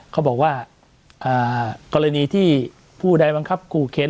เขาบอกว่ากรณีที่ผู้ใดบังคับขู่เข็น